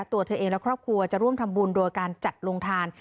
ตัวเธอเองและครอบครัวจะร่วมทำบุญโดยการจัดโรงทาน